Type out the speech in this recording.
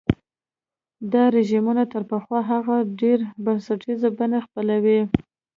دا رژیمونه تر پخوا هغه ډېره زبېښونکي بڼه خپلوي.